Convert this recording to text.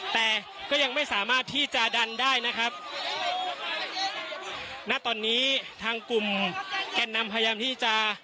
แต่ก็ยังไม่สามารถที่จะดันได้นะครับณตอนนี้ทางกลุ่มแก่นนำพยายามที่จะ